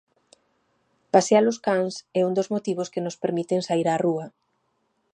Pasear os cans é un dos motivos que nos permiten saír á rúa.